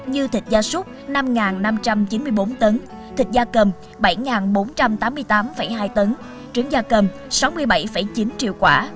như thịt da súc năm năm trăm chín mươi bốn tấn thịt da cầm bảy bốn trăm tám mươi tám hai tấn trứng da cầm sáu mươi bảy chín triệu quả